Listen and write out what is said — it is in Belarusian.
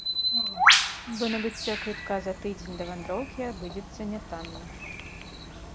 Бо набыццё квітка за тыдзень да вандроўкі абыдзецца нятанна.